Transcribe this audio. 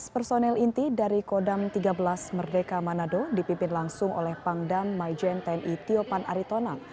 lima belas personel inti dari kodam tiga belas merdeka manado dipimpin langsung oleh pangdam maijen tni tiopan aritonang